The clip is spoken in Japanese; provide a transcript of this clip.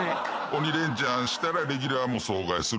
鬼レンチャンしたらレギュラーも総替えするとか。